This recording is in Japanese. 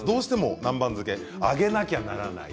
南蛮漬けは揚げなきゃならない。